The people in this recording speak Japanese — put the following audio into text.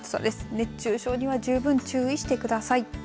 熱中症には十分注意してください。